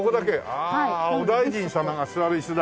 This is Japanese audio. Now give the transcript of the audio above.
ああお大尽様が座る椅子だ。